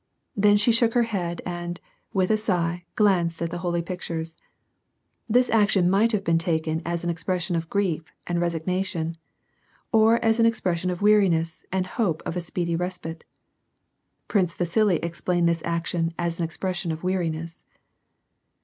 Then she shook her head, and, with a sigh, glanced at the holy pictures. This action miglit have been taken as an expression of grief and resig nation, or as an expression of weariness and hope of a speedy respite. Prince Vasili explained this action as an expression of weariness.